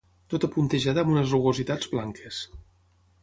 Tota puntejada amb unes rugositats blanques.